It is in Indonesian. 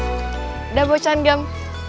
udah bocan gem